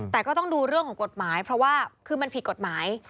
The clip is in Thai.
แต่ก็ต้องดูเรื่องของกฎหมายเพราะว่าคือมันผิดกฎหมาย